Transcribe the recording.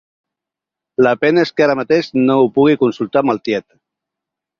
La pena és que ara mateix no ho pugui consultar amb el tiet.